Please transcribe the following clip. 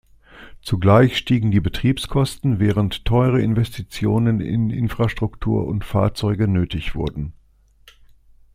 Zugleich stiegen die Betriebskosten, während teure Investitionen in Infrastruktur und Fahrzeuge nötig wurden.